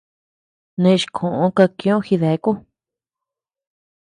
Neʼe chi koʼö kakiö jideaku.